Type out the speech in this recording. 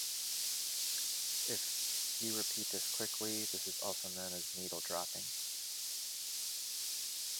If you repeat this quickly, this is also known as "needle dropping".